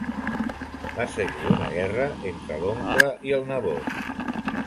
Va seguir una guerra entre l'oncle i el nebot.